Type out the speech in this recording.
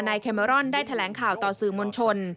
เคเมอรอนได้แถลงข่าวต่อสื่อมวลชน